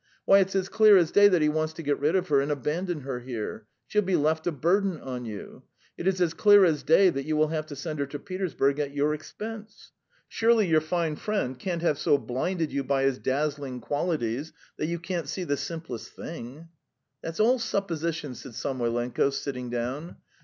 Why, it's as clear as day that he wants to get rid of her and abandon her here. She'll be left a burden on you. It is as clear as day that you will have to send her to Petersburg at your expense. Surely your fine friend can't have so blinded you by his dazzling qualities that you can't see the simplest thing?" "That's all supposition," said Samoylenko, sitting down.